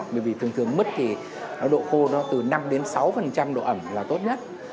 bởi vì thường thường mất thì độ khô nó từ năm đến sáu độ ẩm là tốt nhất